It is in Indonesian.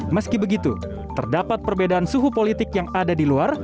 meski begitu terdapat perbedaan suhu politik yang ada di luar